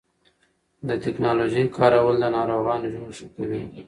د ټېکنالوژۍ کارول د ناروغانو ژوند ښه کوي.